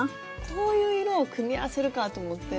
こういう色を組み合わせるかぁと思って。